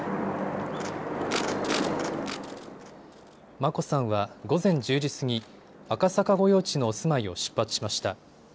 眞子さんは午前１０時過ぎ、赤坂御用地のお住まいを出発しました。